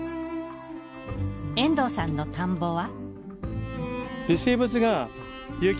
遠藤さんの田んぼは。